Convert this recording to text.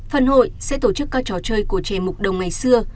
phần hội sẽ tổ chức các trò chơi của trẻ mục đồng ngày xưa